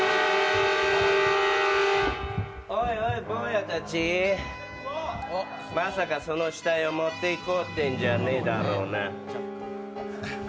おいおい、坊やたち、まさかその死体を持って行こうっていうんじゃないだろうな。